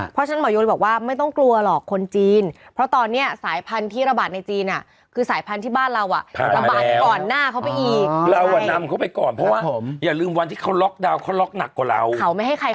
เพราะฉะนั้นหมอยบอกว่าไม่ต้องกลัวหรอกคนจีนเพราะตอนนี้สายพันธุ์ที่ระบาดในจีนอ่ะคือสายพันธุ์ที่บ้านเราอ่ะระบาดไปก่อนหน้าเขาไปอีก